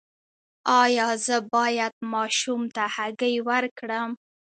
ایا زه باید ماشوم ته هګۍ ورکړم؟